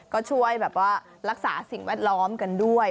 ก็ช่วยรักษาสิ่งแวดล้อมกันด้วย